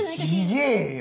違えよ！